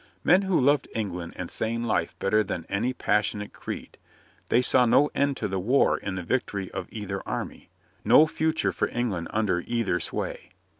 Men who loved England and sane life better than any pas sionate creed, they saw no end to the war in the victory of either army, no future for England un der either sway.